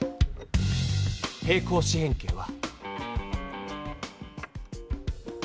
平行四辺形は。